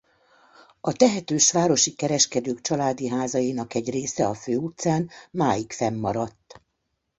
A tehetős városi kereskedők családi házainak egy része a főutcán máig fennmaradt.